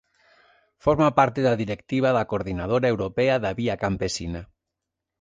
Forma parte da directiva da Coordinadora Europea da Vía Campesina.